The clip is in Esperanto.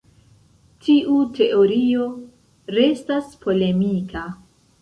Tiu teorio restas polemika.